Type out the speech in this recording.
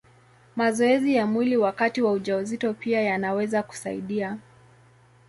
Mazoezi ya mwili wakati wa ujauzito pia yanaweza kusaidia.